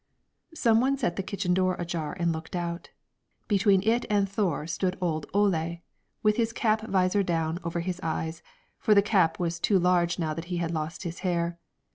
Some one set the kitchen door ajar and looked out; between it and Thore stood old Ole, with his cap visor down over his eyes, for the cap was too large now that he had lost his hair.